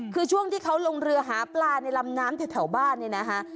คือช่วงที่เขาลงเรือหาปลาในลำน้ำแถวบ้านเนี่ยนะคะ